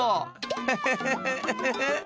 フフフフウフフ。